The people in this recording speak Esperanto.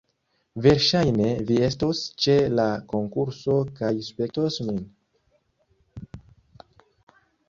Verŝajne, vi estos ĉe la konkurso kaj spektos min